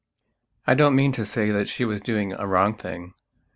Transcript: I don't mean to say that she was doing a wrong thing.